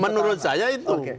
menurut saya itu